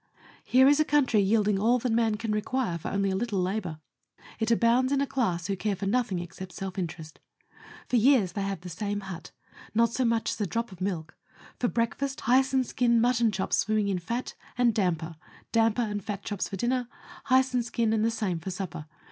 Here is a country yielding all that man can require for only a little labour. It abounds in a class who care for nothing excepting self interest. For years they have the same hut ; not so much as a drop of milk ; for breakfast, hysonskin, mutton chops swimming in fat, and damper ; damper and fat chops for dinner ; hysonskin and the same for supper.